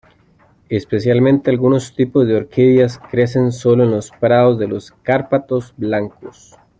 Especialmente algunos tipos de orquídeas crecen sólo en los prados de los Cárpatos Blancos.